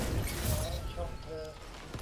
แหม ช่องเธอ